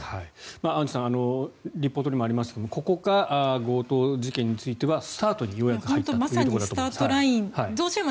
アンジュさんリポートにもありましたがここが強盗事件についてはスタートにようやく入ったというところだと思います。